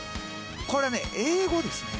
これね英語ですね。